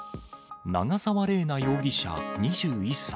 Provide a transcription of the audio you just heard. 長沢麗奈容疑者２１歳。